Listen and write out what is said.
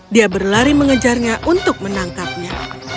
dia berlari mengejarnya untuk menangkapnya